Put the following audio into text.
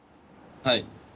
はい。